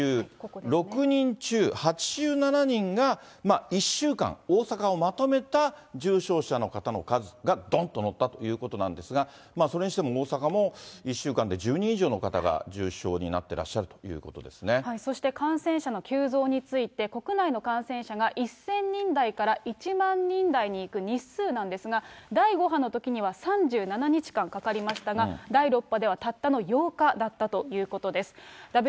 ９６人中８７人が１週間、大阪をまとめた重症者の方の数が、どんと乗ったということなんですが、それにしても大阪も、１しゅうかんで１０にんいじょうのかたが重症になってらっしゃるそして、感染者の急増について、国内の感染者が１０００人台から１万人台に行く日数なんですが、第５波のときには３７日間かかりましたが、第６波ではたったの８日だったということです。